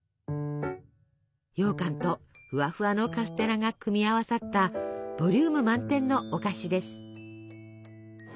ようかんとふわふわのカステラが組み合わさったボリューム満点のお菓子です。